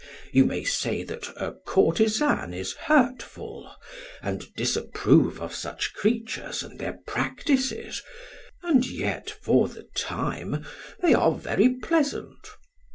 You may say that a courtesan is hurtful, and disapprove of such creatures and their practices, and yet for the time they are very pleasant.